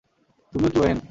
তুমিও কি ওয়েন?